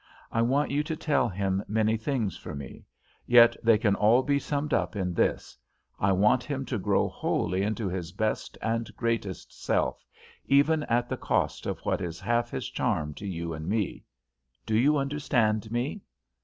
I want you to tell him many things for me, yet they can all be summed up in this: I want him to grow wholly into his best and greatest self, even at the cost of what is half his charm to you and me. Do you understand me?"